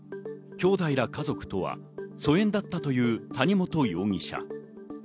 きょうだいら家族とは疎遠だったという谷本容疑者。